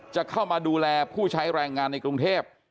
จะเข้ามาดูแลผู้ใช้แรงงานในกรุงเทพ